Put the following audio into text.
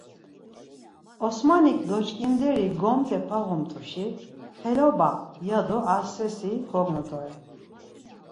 Osmanik doç̌ǩinderi gomte pağumt̆uşi, “xeloba” ya do ar sersi kognu doren.